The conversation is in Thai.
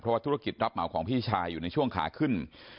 ว่าธุรกิจรับเหมาของพี่ชายอยู่ในช่วงขาขึ้น